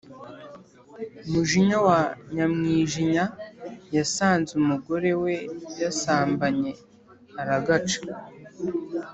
mujinya wa nyamwijinya yasanze umugore we yasambanye aragaca